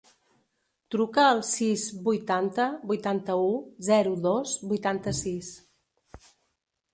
Truca al sis, vuitanta, vuitanta-u, zero, dos, vuitanta-sis.